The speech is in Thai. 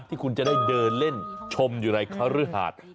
ที่คุณจะได้เดินเล่นชมอยู่ในคฤหาส